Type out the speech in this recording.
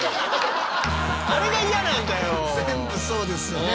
全部そうですよね。